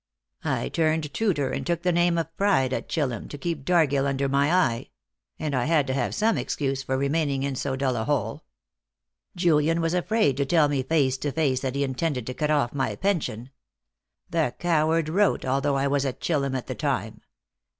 I turned tutor and took the name of Pride at Chillum to keep Dargill under my eye; and I had to have some excuse for remaining in so dull a hole. "Julian was afraid to tell me face to face that he intended to cut off my pension. The coward wrote, although I was at Chillum at the time.